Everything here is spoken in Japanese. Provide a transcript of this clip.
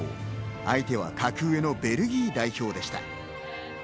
相手は格上のベルギー代表でした。